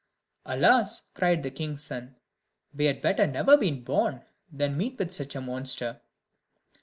"Alas!" cried the king's son, "we had better never have been born than meet with such a monster."